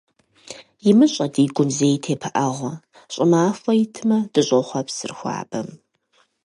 ИмыщӀэ ди гум зэи тепыӀэгъуэ, ЩӀымахуэ итмэ, дыщӀохъуэпсыр хуабэм.